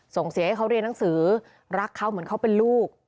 ส่งเสียให้เขาเรียนหนังสือรักเขาเหมือนเขาเป็นลูก